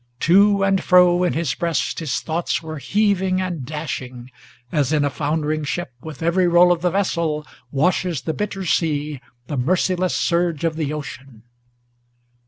To and fro in his breast his thoughts were heaving and dashing, As in a foundering ship, with every roll of the vessel, Washes the bitter sea, the merciless surge of the ocean!